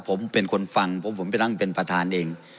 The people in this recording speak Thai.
ผมเป็นคนฟังผมผมไปนั่งเป็นประธานเอง